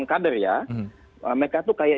kader ya mereka tuh kayak